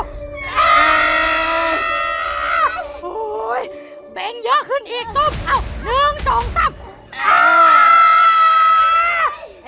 โอ๊ยเบงเยอะขึ้นอีกตุ้มเอา๑๒๓